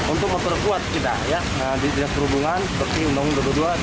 untuk memperkuat kita ya di dinas perhubungan seperti undang undang dua puluh dua